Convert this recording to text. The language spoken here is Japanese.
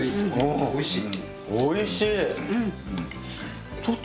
おいしい。